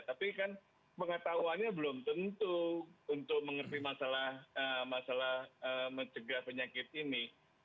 tapi kan pengetahuannya belum tentu untuk mengerti masalah mencegah penyakit ini